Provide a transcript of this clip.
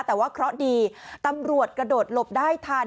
แต่ว่าเคราะห์ดีตำรวจกระโดดหลบได้ทัน